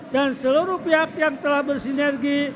dan seluruh pihak yang telah bersinergi